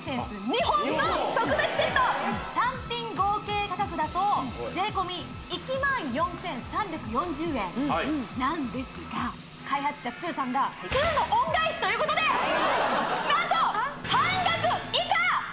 ２本の特別セット単品合計価格だと税込１４３４０円なんですが開発者さんがの恩返しということで何と半額以下！